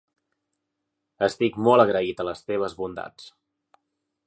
Estic molt agraït a les teves bondats.